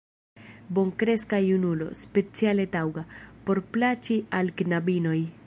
Bonkreska junulo, speciale taŭga, por plaĉi al knabinoj!